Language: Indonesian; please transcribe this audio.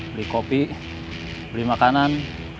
beli kopi beli makanan